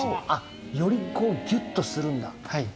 よりこうギュっとするんだ。